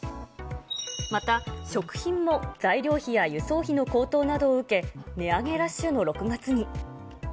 また、食品も材料費や輸送費の高騰などを受け、値上げラッシュの６月に。